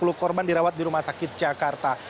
dan ada tujuh korban dirawat di rumah sakit jakarta